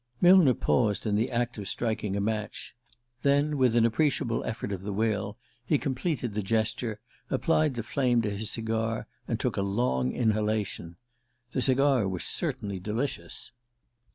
Millner paused in the act of striking a match. Then, with an appreciable effort of the will, he completed the gesture, applied the flame to his cigar, and took a long inhalation. The cigar was certainly delicious.